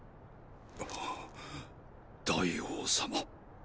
大王様。